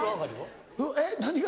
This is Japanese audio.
えっ何が？